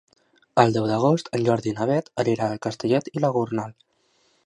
El deu d'agost en Jordi i na Beth aniran a Castellet i la Gornal.